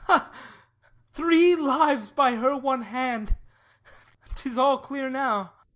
HIPPOLYTUS Three lives by her one hand! 'Tis all clear now.